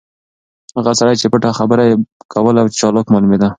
هغه سړی چې پټه خبره یې کوله ډېر چالاک معلومېده.